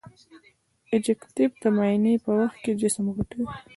ابجکتیف د معاینې په وخت کې جسم غټوي.